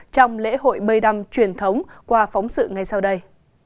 trong lễ hội bơi đăm truyền thống qua phóng sự ngay sau đây